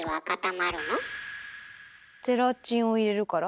ゼラチンを入れるから？